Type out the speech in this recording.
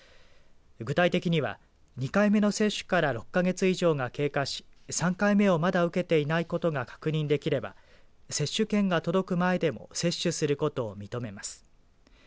具体的には２回目の接種から６か月以上が経過し３回目をまだ受けていないことが確認できれば接種券が届く前でも接種することを認めます。